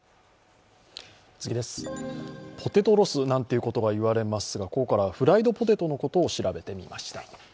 ポテトロスなんてことが言われますが、ここからはフライドポテトのことを調べてみました。